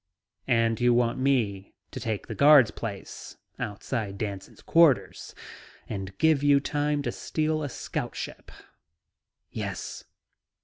"And you want me to take the guard's place, outside Danson's quarters, and give you time to steal a scout ship?" "Yes."